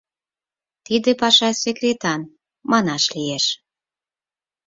— Тиде паша секретан, манаш лиеш.